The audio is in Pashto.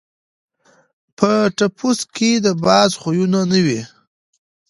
په ټپوس کي د باز خویونه نه وي.